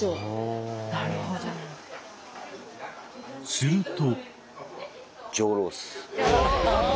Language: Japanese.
すると。